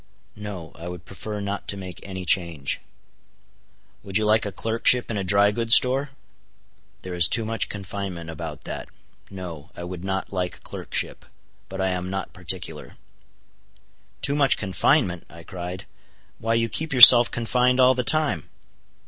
"No; I would prefer not to make any change." "Would you like a clerkship in a dry goods store?" "There is too much confinement about that. No, I would not like a clerkship; but I am not particular." "Too much confinement," I cried, "why you keep yourself confined all the time!"